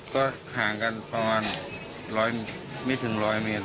ก็ห่างกันประมาณไม่ถึง๑๐๐เมตร